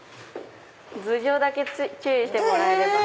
頭上だけ注意してもらえれば。